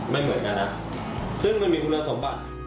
ไม่เหมือนกันนะซึ่งมันมีคุณสมบัติ